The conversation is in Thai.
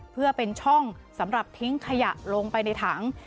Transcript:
เพื่อเป็นช่องสำหรับทิ้งขยะลงไปในถัง